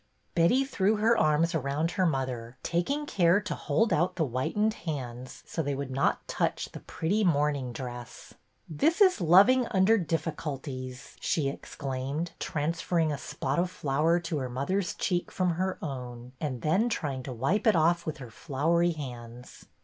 Betty threw her arms around her mother, tak ing care to hold out the whitened hands so they would not touch the pretty morning dress This is loving under difficulties," she ex claimed, transferring a spot of flour to her mother's cheek from her own, and then trying to wipe it ofif with her floury hands.